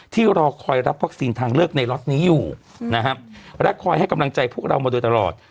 รอคอยรับวัคซีนทางเลือกในล็อตนี้อยู่นะครับและคอยให้กำลังใจพวกเรามาโดยตลอด